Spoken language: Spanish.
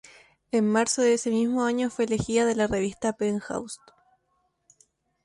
En marzo de ese mismo año fue elegida de la revista "Penthouse".